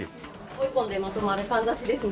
１本でまとまるかんざしですね。